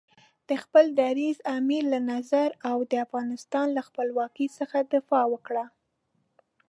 د خپل دریځ، امیر له نظر او د افغانستان له خپلواکۍ څخه دفاع وکړه.